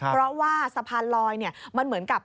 เพราะว่าสะพานลอยมันเหมือนกับ